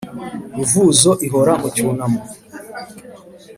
ruvuzo ihora mu cyunamo.